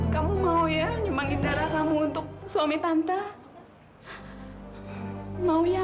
sampai jumpa di video selanjutnya